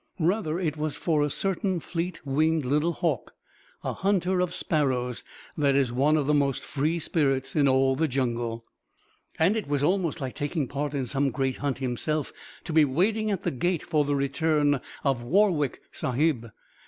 Rather it was for a certain fleet winged little hawk, a hunter of sparrows, that is one of the most free spirits in all the jungle. And it was almost like taking part in some great hunt himself to be waiting at the gate for the return of Warwick Sahib.